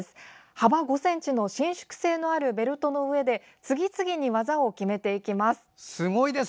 幅５ｃｍの伸縮性のあるベルトの上で次々に技を決めていきます。